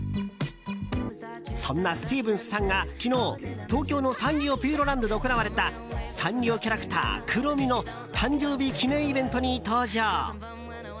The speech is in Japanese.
そんなスティーブンスさんが昨日東京のサンリオピューロランドで行われたサンリオキャラクター、クロミの誕生日記念イベントに登場。